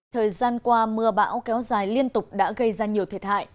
thời gian qua mưa bão kéo dài liên tục đã gây ra nhiều thiệt hại